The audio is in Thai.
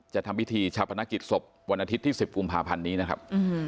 ทำพิธีชาพนักกิจศพวันอาทิตย์ที่๑๐กุมภาพันธ์นี้นะครับ